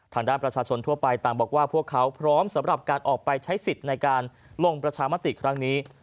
ทางด้านประชาชนทั่วไปต่างบอกว่าพวกเขาพร้อมสำหรับการออกไปใช้สิทธิ์ในการลงประชามติครั้งนี้